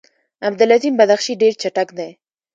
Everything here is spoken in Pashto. عبدالعظیم بدخشي ډېر چټک دی.